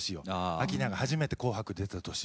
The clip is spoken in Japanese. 明菜が初めて「紅白」出た年よ。